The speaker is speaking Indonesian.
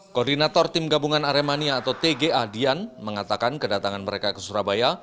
koordinator tim gabungan aremania atau tga dian mengatakan kedatangan mereka ke surabaya